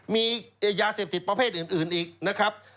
มียาเสพติดประเภทอื่นอีกนะครับ